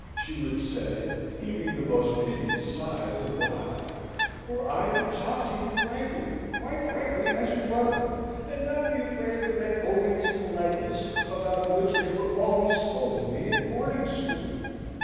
she would say, heaving the most piteous sigh the while; "for I can talk to you frankly, quite frankly as a brother, and not be afraid of that odious politeness about which they were always scolding me at boarding school.